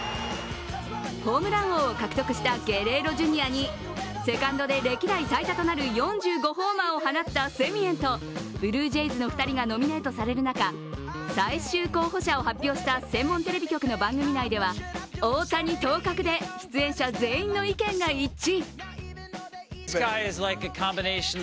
ホームラン王を獲得したゲレーロ・ジュニアにセカンドで歴代最多となる４５ホーマーを放ったセミエンとブルージェイズの２人がノミネートされる中、最終候補者を発表した専門テレビ局の番組内では大谷当確で、出演者全員の意見が一致。